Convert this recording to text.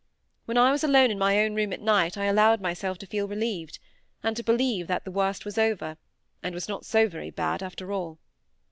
When I was alone in my own room at night I allowed myself to feel relieved; and to believe that the worst was over, and was not so very bad after all.